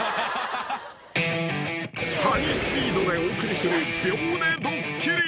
［ハイスピードでお送りする］